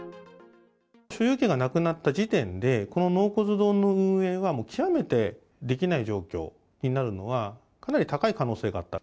所有権がなくなった時点で、この納骨堂の運営は、もう極めてできない状況になるのは、かなり高い可能性があった。